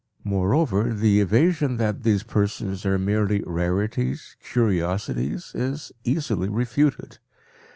Moreover, the evasion that these persons are merely rarities, curiosities, is easily refuted.